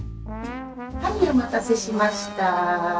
はいお待たせしました。